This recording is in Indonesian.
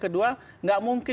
kedua enggak mungkin